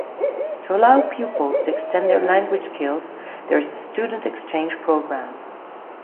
To allow pupils to extend their language skills there is a student exchange programme.